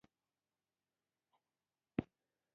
د ننګرهار په دره نور کې د قیمتي ډبرو نښې دي.